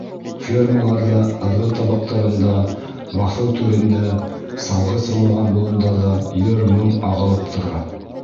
Фермаларҙа, ырҙын табаҡтарында, баҫыу түрендә, салғы сыңлаған болондарҙа йыр-моң ағылып тора.